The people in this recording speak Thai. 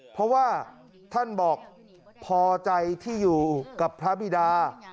เพราะว่าท่านบอกพอใจที่อยู่กับพระบิดา